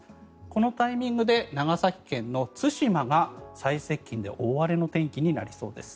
このタイミングで長崎県の対馬が最接近で大荒れの天気になりそうです。